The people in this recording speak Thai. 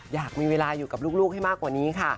อยากมีเวลาอยู่กับลูกให้มากกว่านี้ค่ะ